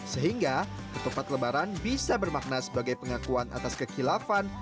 sehingga ketupat lebaran bisa bermakna sebagai pengakuan atas kekilafan